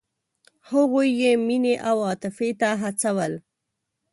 هغوی یې مینې او عاطفې ته هڅول.